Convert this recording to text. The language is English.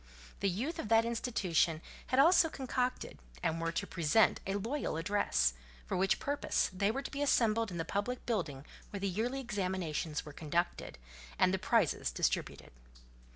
The youth of that institution had also concocted, and were to present a loyal address; for which purpose they were to be assembled in the public building where the yearly examinations were conducted, and the prizes distributed.